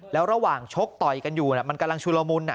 แล้วระหว่างชกต่อยกันอยู่มันกำลังชุลมุน